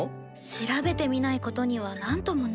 調べてみないことにはなんともね。